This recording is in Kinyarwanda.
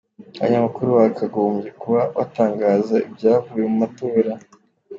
Abanyamakuru bakagombye kuba batangaza ibyavuye mu matora.